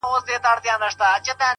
او په لوړ ږغ په ژړا سو _